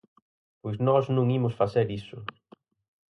Pois nós non imos facer iso.